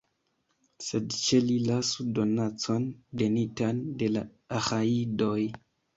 Sed ĉe li lasu donacon, donitan de la Aĥajidoj.